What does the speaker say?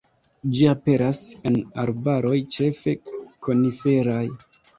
Ĝi aperas en arbaroj ĉefe koniferaj.